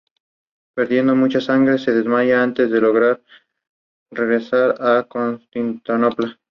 Perdiendo mucha sangre, se desmaya antes de lograr regresar a Constantinopla.